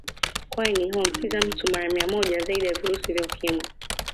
Kwani huambukiza mtu mara mia moja zaidi ya virusi vya Ukimwi